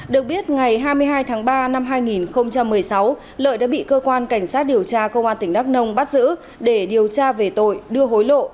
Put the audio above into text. được biết ngày hai mươi hai tháng ba năm hai nghìn một mươi sáu lợi đã bị cơ quan cảnh sát điều tra công an tỉnh đắk nông bắt giữ để điều tra về tội đưa hối lộ